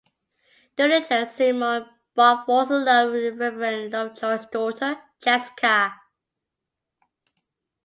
During a church sermon, Bart falls in love with Reverend Lovejoy's daughter, Jessica.